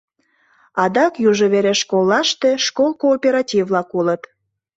Адак южо вере школлаште школ кооператив-влак улыт.